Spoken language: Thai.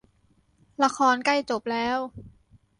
ละครใกล้จบแล้ว